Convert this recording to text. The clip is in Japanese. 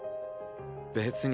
別に。